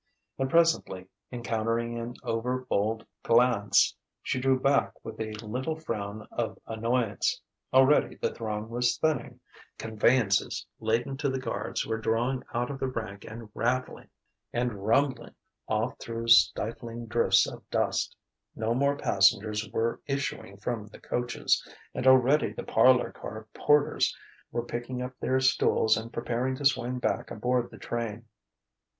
And presently encountering an overbold glance, she drew back with a little frown of annoyance. Already the throng was thinning; conveyances laden to the guards were drawing out of the rank and rattling and rumbling off through stifling drifts of dust; no more passengers were issuing from the coaches; and already the parlour car porters were picking up their stools and preparing to swing back aboard the train.